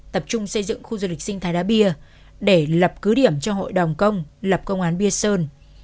tập trung xây dựng khu du lịch sinh thái đá bia để lập cứ điểm cho hội đồng công lập công an bia sơn